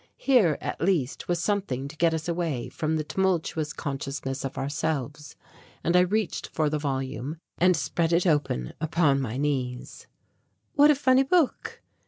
Here at least was something to get us away from the tumultuous consciousness of ourselves and I reached for the volume and spread it open upon my knees. "What a funny book!"